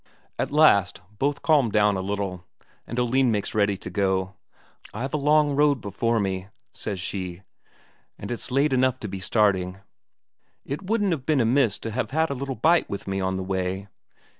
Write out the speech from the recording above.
At last both calm down a little, and Oline makes ready to go. "I've a long road before me," says she, "and it's late enough to be starting. It wouldn't ha' been amiss to have had a bite with me on the way...."